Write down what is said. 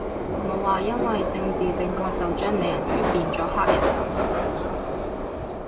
冇話因為政治正確就將美人魚變咗黑人噉